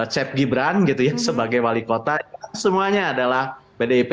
cep gibran gitu ya sebagai wali kota semuanya adalah pdip